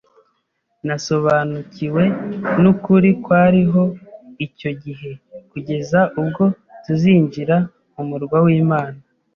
Nasobanukiwe n’ukuri kwariho icyo gihe kugeza ubwo tuzinjira mu murwa w’Imana,